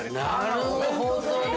◆なるほどね！